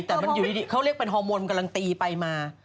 แต่เขาเรียกเป็นฮอร์โมนกำลังตีไปมา